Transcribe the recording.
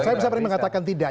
saya bisa berani mengatakan tidak